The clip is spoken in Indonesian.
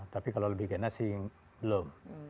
tapi kalau lebih ganas sih belum